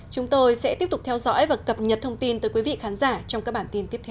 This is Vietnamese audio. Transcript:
chúng tôi sẽ tiếp tục theo dõi và cập nhật thông tin tới quý vị khán giả trong các bản tin tiếp theo